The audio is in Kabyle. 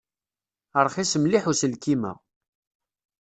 Rxis mliḥ uselkim-a.